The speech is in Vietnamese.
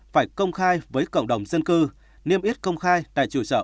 phải công khai với cộng đồng dân cư niêm yết công khai tại trụ sở